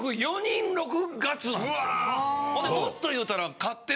ほんでもっと言うたら。